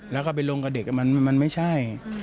แล้วก็ไปลงกับเด็กมันไม่ใช่